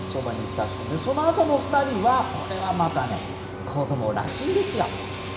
そのあとの２人ですがこれはまた、子供らしいんです。